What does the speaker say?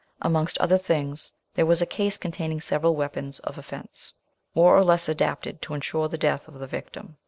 Amongst other things there was a case containing several weapons of offence, more or less adapted to ensure the death of the victim.